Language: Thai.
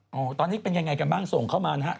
โอ้โหตอนนี้เป็นยังไงกันบ้างส่งเข้ามานะฮะ